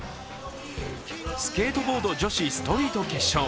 スケートボード女子ストリート決勝。